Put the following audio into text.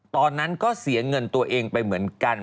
ตอนนั้นก็เสียเงินตัวเองไปเหมือนกัน